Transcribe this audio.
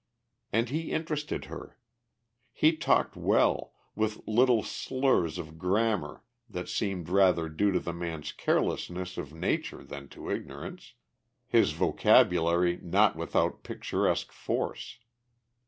And he interested her. He talked well, with little slurs of grammar that seemed rather due to the man's carelessness of nature than to ignorance, his vocabularly not without picturesque force.